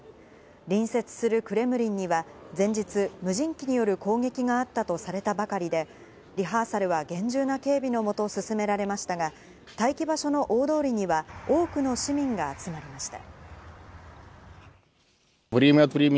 隣接するクレムリンには前日、無人機による攻撃があったとされたばかりで、リハーサルは厳重な警備のもと進められましたが、待機場所の大通りには多くの市民が集まりました。